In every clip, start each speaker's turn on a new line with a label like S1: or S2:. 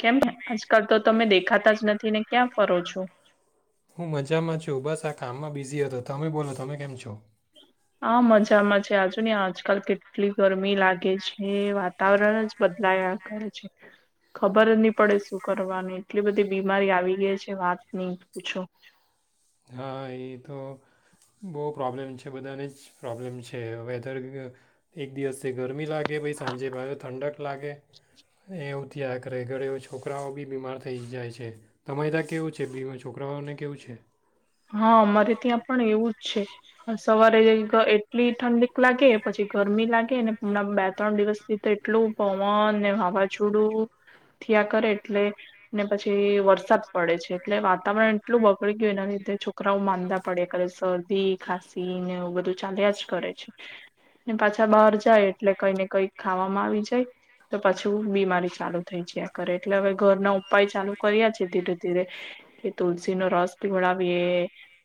S1: કેમ આજકાલ તો તમે દેખાતા જ નથી ને, ક્યાં ફરો છો?
S2: હું મજામાં છું બસ આ કામમાં બીઝી હતો, તમે બોલો તમે કેમ છો?
S1: હા મજામાં છે આજુ ને આજકાલ કેટલી ગરમી લાગે છે, વાતાવરણ જ બદલાયા કરે છે ખબર જ નહી પડે શું કરવાનું એટલી બધી બીમારી આવી ગઈ છે વાત ન પૂછો.
S2: હા એ તો બહુ પ્રોબ્લેમ છે, બધાને જ પ્રોબ્લેમ છે વેધર એક દિવસ ગરમી લાગે એ પાછું સાંજે ઠંડક લાગે, એવુ થયા કરરે ઘરે છોકરાઓ બી બીમાર થઈ જાય છે, તમારે ત્યાં કેવું છે, બી છોકરાઓને કેવું છે.
S1: હા અમારે ત્યાં પણ એવું જ છે, સવારે એટલી ઠંડીક લાગે પછી ગરમી લાગે હમણાં બે ત્રણ દિવસથી તો એટલું પવન ને વાવાઝોડું થ્યાં કરે. કરે એટલે ને પછી વરસાદ પડે છે, એટલે વાતાવરણ એટલું બગડી ગયું એના રીતે. છોકરાઓ માંદા પડે શરદી. ખાસી ને, એવું બધું ચાલ્યા જ કરે છે, ને પાછા બહાર જાય એટલે કઈ ને કઈક ખાવામાં આવી જાય તો પાછું બીમારી ચાલુ થઈ જાય, કરે એટલે હવે ઘર ના ઉપાય ચાલુ કર્યા છે, ધીરે ધીરે કે તુલસી નો રસ પીવડાવ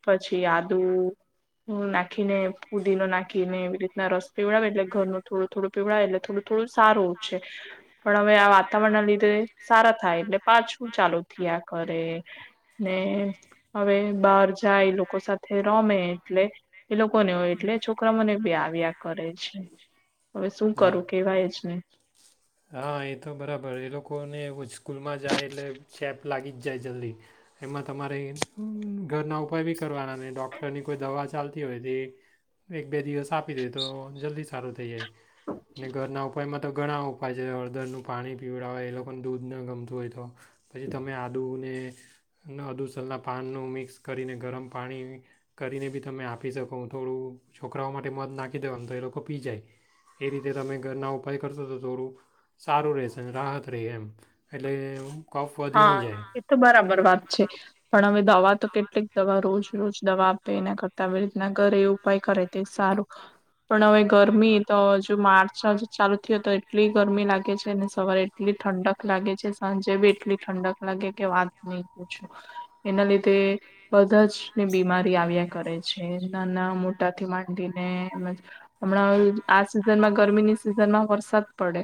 S1: પછી આદુ નાખીને ફુદીનો નાખીને એવી, રીતના રસ પીવડાવે એટલે ઘરનું થોડું ચાલે. પીવડાય એટલે થોડું થોડું સારું છે, પણ હવે આ વાતાવરણ ના લીધે સારા થાય એટલે, પાછું ચાલુ થ આ કરે ને બહાર જાય એ લોકો સાથે રમે એટલે, એ લોકોને હોય એટલે છોકરા મને બી આ. બી આ કરે છે. હવે શું
S2: હા
S1: કરું કેવાય જ નહી
S2: હા એ તો બરાબર, એ લોકો છેને. બાળકોને સ્કૂલમાં જાય એટલે ચેપ લાગી જ જાય જલ્દી, એમાં તમારે ઘરના ઉપાય બી કરવાના ને ડૉક્ટરની કોઈ દવા ચાલતી હોય, તે એક બે દિવસ આપી દે તો જલ્દી સારું થઈ જાય. ને ઘરના ઉપાયમાં તો ઘણા ઉપાય છે, હળદરનું પાણી પીવડાવ હોય એ લોકોને દૂધ ને ગમતું હોય તો પછી તમે આદુને અદુસરના પાનનું મિક્સ કરીને ગરમ પાણી કરીને બી તમે આપી શકો થોડું, છોકરાઓ માટે મધ નાખી દેવાનું તો એ લોકો પી જાય. એ રીતે તમે ઘરના ઉપાય કરશો તો થોડું, સારું રહેશે રાહત રહે એમ એટલે સારું.
S1: હા એતો બરાબર વાત. છે પણ હવે દવા તો કેટલીક દવા રોજ રોજ દવા આપે એના કરતા આવી રીતના ઘરે એ ઉપાય કરે તે સારું પણ હવે ગરમી તોજ માર્ચ જ ચાલુ થ્યો તો એટલી ગરમી લાગે છે. અને સવારે એટલી ઠંડક લાગે છે સાંજેી એટલી. ઠંડક લાગે કે વાત ની પૂછો એના લીધે. બધજ બીમારી આવી એમ. કરે છે ના ના મોટાથી માંડીને હમણાં આ સિઝનમાં ગરમીની સિઝનમાં વરસાદ પડે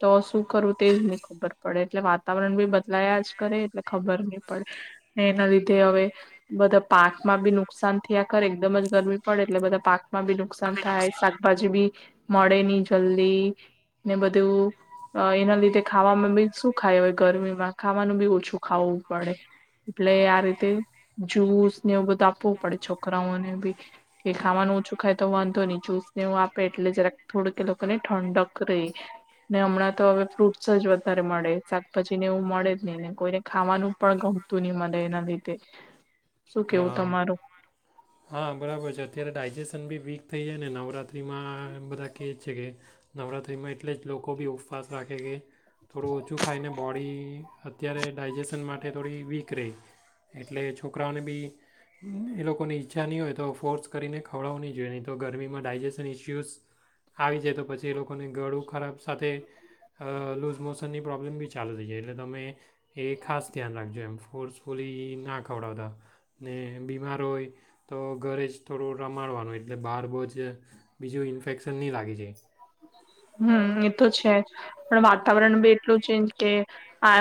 S1: તો શું કરવું તેજ નહી ખબર પડે એટલે વાતાવરણ બી બદલાઇ જાય. યા યા જ કરે એટલે ખબર નહી પડે એના લીધે હવે બધ. પાકમાં બી નુકસાન થયા કરે એકદમ જ ગરમી પડે એટલે બધા પાકમાં બી નુકસાન થાય શાકભાજી બી. મળે ની જલ્દી ને બધું એના લીધે ખાવામાં બી શું ખાય હોય ગરમીમાં ખાવાનું બી ઓછું ખાવું પડે એટલે આ રીતે જ્યુસ ને એવું બધું આપવું પડે છોકરાઓને બી કે ખાવાનું ઓછું ખાય તો વાંધો નહી જ્યુસ ને એવું આપે એટલે જરા થોડુંક લોકોને ઠંડક રહી ને હમણાં તો હવે ફ્રૂટ્સ જ વધારે મળે શાકભાજી ને એવું મળે જ નઈ. નઈ નઈ કોઈને ખાવાનું. પણ ગમતું નહિ મને એના લીધે શું
S2: કરે
S1: કેવું તમારું.
S2: હા બરાબર છે અત્યારે ડાયજેશન બી વીક થઈ જાય ને નવરાત્રિમાં બધા કે છે કે નવરાત્રિમાં એટલે જ લોકો બી ઉપવાસ રાખે છે કે. થોડું ઓછું ખાઈને બોડી અત્યારે ડાયજેશન માટે અને થોડી વીક ર એટલે છોકરાઓને બી એ લોકોની ઈચ્છા નહીં હોય તો ફોર્સ કરીને ખવડાવું નહીં જોઈએ નહીં તો ગરમીમાં ડાયજેશન ઇસ્યુસ આવી જાય તો પછી એ લોકોને ગળું ખરાબ સાથે લુઝ મોશન ની પ્રોબ્લેમ બી ચાલુ થઈ જાય એટલે તમે. એ ખાાસ. જો એમ ફોર્સફુલી ના ખવડાવતા ને બીમાર હોય તો ઘરે જ થોડું રમાડવાનું એટલે બહાર બહું જ બીજું ઇન્ફેક્શન નહીં લાગી જાય
S1: હમ એમ. તો છે પણવાત.. વાતાવરણ બી એટલું ચેન્જ કે આ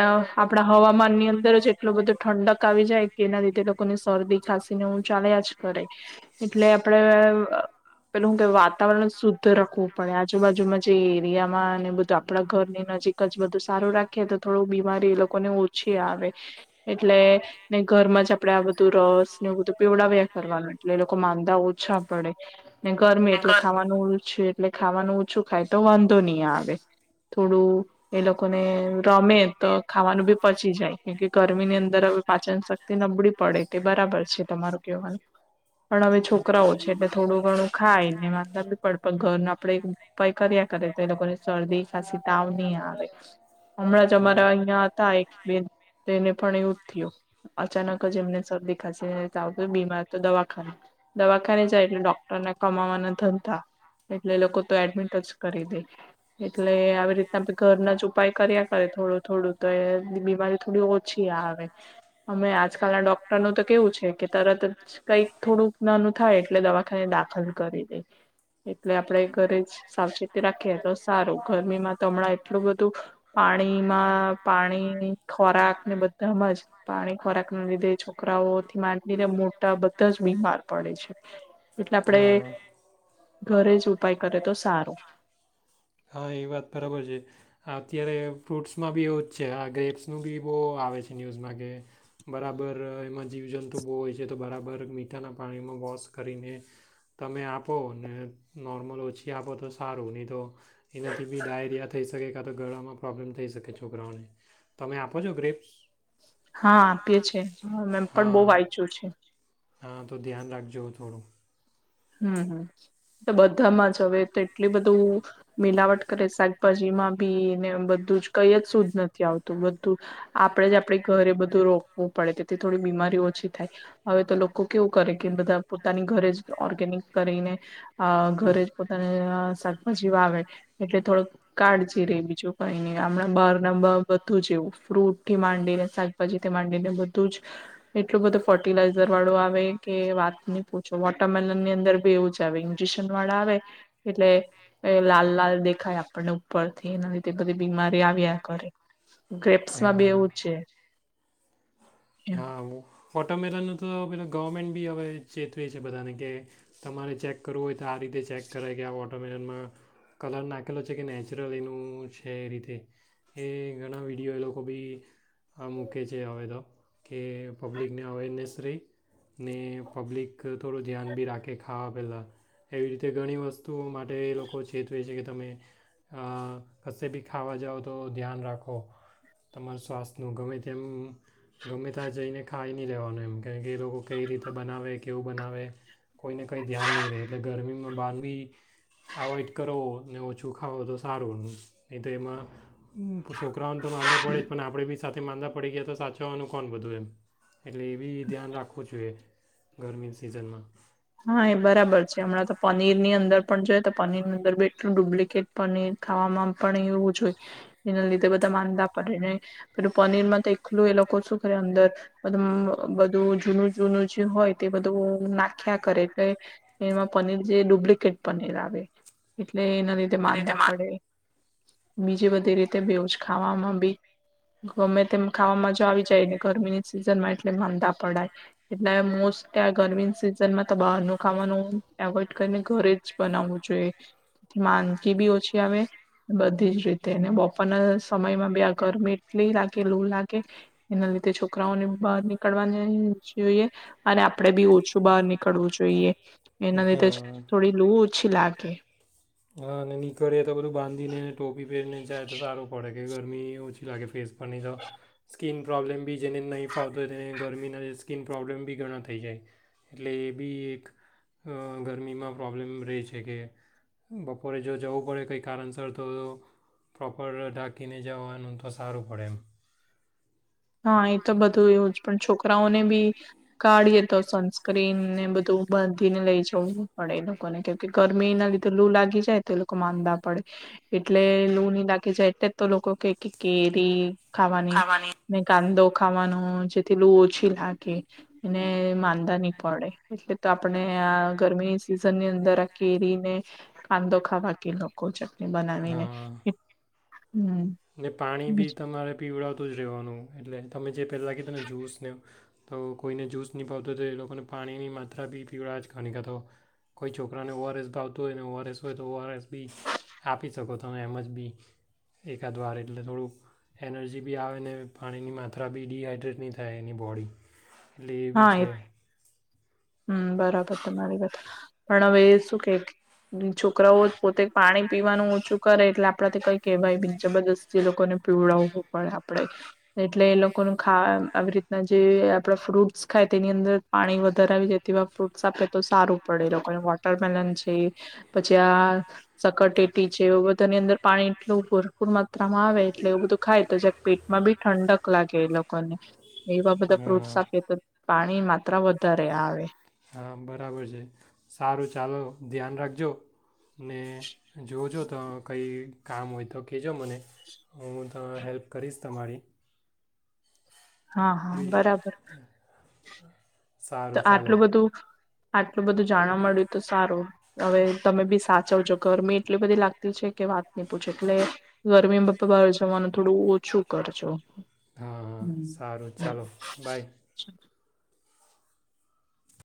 S1: આપણા હવામાન ની અંદર જ એટલું બધો ઠંડક આવી જાય કે એના લીધે લોકોની શરદી ખાસીને એવું ચાલ્યા જ કરે એટલે આપડે પેલું શુ કે વાતાવરણ શુદ્ધ રખવું પણ આજુબાજુમાં જે એરિયામાં ને બધું આપણા ઘરની નજીક જ બધું સારું રાખીએ તો થોડું બીમારી એ લોકોને ઓછી આવે એટલે ને ઘરમાં જ આપડે આ બધું રસ ને એ બધું પીવડાવ્યા કરવાનું એટલે એ લોકો માંદા ઓછા પડે ને ગરમી
S2: જાય
S1: એટલે ખાવાનું છે એટલે ખાવાનું ઓછું ખાય તો વાંધો નહી આવે થોડું એ લોકોને રમે તો ખાવાનું બી પચી જાય કે ગરમી ની અંદર હવે પાચન શક્તિ નબળી પડે તે બરાબર છે તમારું કહેવાનું પણ હવે છોકરાઓ છે એટલે થોડું ઘણું ખાયને માંદા બી પડે પણ ઘરના આપ ઉપાય કર્યા કરે તો એ લોકોને શરદી ખાંસી તાવ નહીં આવે હમણાં જ અમારા અહિયાં હતા એક બે તેને પણ એવું થયું અચાનક જ એમને શરદી ખાસી તાવ બીમાર તો દવાખાને દવાખાને જાય એટલે ડોક્ટરને કમાવાના ધંધા એટલે એ લોકો તો એડમિટ જ કરી દે એટલે આવી રીતના ઘરના જ ઉપાય કર્યા કરે થોડું થોડું તો એ બીમારી થોડી ઓછી આવે અમે આજકાલના ડોક્ટરનું તો કેવું છે કે તરત જ કંઈક થોડું નાનું થાય એટલે દવાખાને દાખલ કરી દે એટલે આપડણે ઘરે જ સાવચેતી રાખીએ તો સારું ગરમીમાં તો હમણાં એટલું બધું પાણીમાં પાણી ખોરાક ને બધામાં જ પાણી ખોરાક ના લીધે છોકરાઓથી માંડી ને મોટા બધા જ બીમાર પડે છે એટલે આપડે
S2: હા હા
S1: ઘરે જ ઉપાય કરે તો સારુ
S2: હા એ વાત બરાબર છે અત્યારે ફ્રૂટ્સમાં બી એવું છે આ ગ્રેપ્સનું બી બો આવે છે ન્યૂઝમાં કે બરાબર એમાં જીવજંતુ બો હોય છે તો બરાબર મીઠાના પાણીમાં વોશ કરીને તમે આપો ને નોર્મલ ઓછી આપો તો સારું નહી તો એનાથી બી ડાયરિયા થઈ શકે કાં તો ગળામાં પ્રોબ્લેમ થઈ શકે છોકરાઓને તમે આપો છો ગ્રેપ્સ
S1: હા આપીએ છે એમ પણ બો
S2: હા
S1: વાંચ્યું છે
S2: હા તો ધ્યાન રાખજો થોડું
S1: હમ્મ બધામાં જ હવે તો એટલી બધું મિલાવટ કરે શાકભાજીમાં બી ને બધું જ કઈ જ શુદ્ધ નથી આવતું બધું આપણેે જ આપણે ઘરે બધું રોપવું પડે તેથી થોડી બીમારી ઓછી થાય હવે તો લોકો કેવું કરે કે બધા પોતાની ઘરે જ ઓર્ગેનિક કરીને અ ઘરે જ પોતાને શાકભાજી વાવે એટલે થોડક કાળજી રે બીજું કઈ નહી હમણાં બહાર ના બધું જવું ફ્રૂટ થી માંડીને શાકભાજી કે માંડીને બધું જ એટલું બધું ફર્ટિલાઈઝર વાળું આવે કે વાતને ન પૂછો ટમેલ ની અંદર બી એવું જ આવે ઇન્જેક્શન વાળા આવે એટલે લાલ લાલ દેખાય આપણને ઉપરથી એના લીધે બધી બીમારી આવ્યા કરે ગ્રેપ્સ માં બે
S2: હા
S1: એવુંજ છે.
S2: હા હું. વોટવરમેલન નું તો હવે ગવર્મેન્ટ બી હવે ચેતવે છે બધાને કે તમારે ચેક કરવું હોય. આ રીતે ચેક કરાય કે આ [unintelligible] કલર નાખેલો છે કે નેચરલ એનું છે એ રીતે એ ઘણા વિડીયો એ લોકો બી મૂકે છે હવે તો કે પબ્લિકને અવેરનેસ રહે ને પબ્લિક થોડું ધ્યાન બી રાખે ખાવા પહેલાં એવી રીતે ઘણી વસ્તુ તો માટે એ લોકો ચેતવે છે કે. તમે અ કશેબી ખાવા જાઓ તો ધ્યાન રાખો તમાર સ્વાસ્થ્યનું ગમે તેમ. ગમે ત્યાં જઈને ખાઈ નહીં રહેવાનું એમ કારણ કે એ લોકો કઈ રીતે બનાવે કેવું બનાવે કોઈને કંઈ ધ્યાન નહીં રહે એટલે ગરમીમાં બાર બી એવોઈડ કરો ને ઓછું ખાવો તો સારું નહી તો એમાં છોકરાઓને તો વાંધો પડે જ પણ આપણે બી સાથે માંદા પડી ગયા તો સાચ ખાવાનું કોણ [unintelligible] એમ. એટલે એ બી ધ્યાન રાખવું જોઈએ. ગરમી સિઝનમાં.
S1: હા એ બરાબર છે હમણાં તો પનીર ની અંદર પણ જોઈ તો પનીર ની અંદર એટલું ડુપ્લિકેટ પનીર ખાવામાં પણ એવું જોઈએ એના લીધે બધા માંદા પડે ને પેલું પનીર માં તો એકલું એ લોકો શું કરે અંદર બધું જૂનું જૂનું જે હોય તે બધું નાખ નાખ્યા કરે તો એમાં પનીર જે ડુપ્લિકેટ પનીર આવે. એના લીધે
S2: અને
S1: માંદા પડે.
S2: તેમાં
S1: બીજી બધી રીતે બી એવું જ ખાવામાં બી ગમે તેમ ખાવામાં જો આવી જાય ને ગરમીની સિઝન માં એટલે માંદા પડાય એટલે મોસ્ટ ગરમીની સિઝ સિસન મા તો બહાર નું ખાવાનું એવોઈડ કરીને ઘરે જ બનાવું જોઈએ મા બી ઓછી આવે બધી જ રીતે બપોરના સમયમાં બી આ ગરમી એટલી લાગે લૂ લાગે એના લીધે છોકરાઓને બહાર નીકળવાની જોઈએ અને આપડે બી ઓછું બહાર નીકળ. એવુ જોઈએ એના લીધે જ
S2: હા
S1: થોડી લુ ઓછી લાગે. આપકે
S2: હા નીકળીે તો બધું બાંધીને ટોપ. વિભરને જાય તારો પડે કે ગરમી ઓછી લાગે ફેસ પરની તો સ્કીિન પ્રોબ્લેમ બી અહિ ગરમી ઓછી લાગે ફેસ પનહીં ફાવતો હોય તેને ગરમીના સ્કીિન પ્રોબ્લેમ બી ઘણા થઈ જાય એટલે એ બી એક ગરમીમાં પ્રોબ્લેમ રહે છે કે. બપોરે જો જવું પડે કંઈ કારણસર તો પ્રોપર ઢાંકીને જવાનું તો સારું પડે એમ.
S1: હા એ તો બધું એવું જ પણ છોકરાઓને બી કાઢીએ હ અહી તો બધુ એવુ જ પણ છોકરાઓ ને બી કાઢીએ સનસ્ક્રીનને બધું બાંધીને લઈ જવું પડે એ લોકોને કેમ કે ગરમી ના લીધે લૂ લાગી જાય તો એ લોકો માંદા પડે એટલે લૂ નહી લાગી જાય એટલે તો લોકો કે કેરી ખાવાની. ને કાંદો ખાવાનો જેથી લુ ઓછી લાગે એને માંદા નહી પડે એટલે તો આપણે આ ગરમીની સિઝનની અંદર આ કેરીને કાંદો ખાવા કે લોકોખ છ. બનાવીને.
S2: હા
S1: હમ
S2: ને પાણી બી
S1: બીજ
S2: તમારે પીવડાવતું જ રહેવાનું. એટલે તમે જે પહેલાં કીધો ને જૂસ ને તો કોઈને જૂુસ નહીં ભાવતું હોય તો એ લોકોને પાણીની માત્રા બી એટલે તમે જે પેલા કીધુ એમ પીવળ જ ઘણીક તો કોઈ છોકરાને ઓઆરએસ ભાવતું હોય ને ઓઆરએસ હોય તો ઓઆરએસ બી આપી શકો તમે એમ જ બી. એકાદ વાર એટલે થોડુંક એનર્જી બી આવે ને પાણીની માત્રા બી ડડીહાઈડ્રેટ નહીં થાય એની બોડી.
S1: હા એ
S2: [unintelligible] [unintelligible]
S1: હમ બરાબર તમા મારી વાત પણ હવે શું કે છોકરાઓ હમ બરાબર તમારી વાતપોતે પાણી પીવાનું ઓછું કરે એટલે આપડા કઈ કહેવાય જબરદસ્ત લોકોને પીવડાવવું પડે આપણેે એટલે એ લોકોને ખા આવી રીતના જે આપડા ફ્રૂટ. ખાય તેની અંદર પાણી વધારે આવી જાય તેવા ફ્રૂટ્સ આપે તો સારું પડે લોકોને વોટરમેલન છે પછી આ પાણી વધાર આવી જાય તો તેવા ફૂટ આપે તો સારૂ પડે એ લોકો ને વોટરમેલન છે સકરટેટી છે એ બધાની અંદર પાણી એટલું ભરપૂર માત્રામાં આવે એટલે એવું બધું ખાય તો જ પેટમાં બી ઠંડક લાગે એ લોકોને એવા બધા ફ્રૂટ્સ સાથેખે તો પાણી માત્ર વધારે આવે
S2: હા બરાબર છે સારું ચાલો ધ્યાન રાખજો ને જોજો ત કઈ કામ હોય તો કહેજો મને હું હવે હેલ્પ કરીશ તમારી
S1: હા હા
S2: બી
S1: બરાબર તો
S2: સારું ચાલો
S1: આટલું બધું આટલું બધું જાણવા મળ્યું તો સારું હવે તમે બી આટલુ બધુ જાનવા મડ્યૂ તો સારુ અવે તમે બિ સાચવજો ગરમી એટલી બધી લાગતી છે કે વાત ન પૂછે એટલે ગરમીમાં પપા બહાર જવાનું થોડું ઓછું કરજો
S2: હા હા સારું
S1: હમ
S2: ચાલો બાય